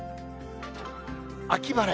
秋晴れ。